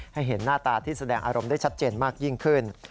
เห็นหน้าตาที่แสดงอารมณ์ได้ชัดเจนมากยิ่งขึ้น